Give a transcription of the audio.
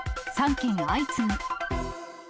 ３件相次ぐ。